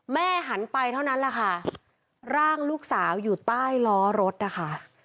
หันไปเท่านั้นแหละค่ะร่างลูกสาวอยู่ใต้ล้อรถนะคะ